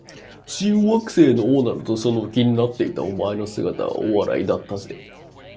The Moxie Man had appeared on Moxie labels since the beverage was first sold.